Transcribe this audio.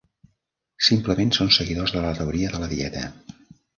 Simplement són seguidors de la teoria de la dieta.